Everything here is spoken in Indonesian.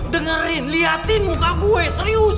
dengerin liatin muka gue serius